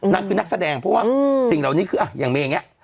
นางคือนักแสดงเพราะว่าสิ่งเหล่านี้คืออย่างเมย์อย่างนี้